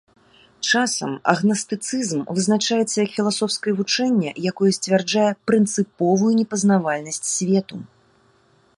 Часам агнастыцызм вызначаецца як філасофскае вучэнне, якое сцвярджае прынцыповую непазнавальнасць свету.